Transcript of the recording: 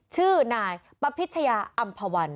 ๒๕๕๔ชื่อนายประพิชญาอำพวันศ์